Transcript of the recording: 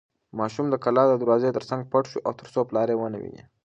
ماشوم د کلا د دروازې تر څنګ پټ شو ترڅو پلار یې ونه ویني.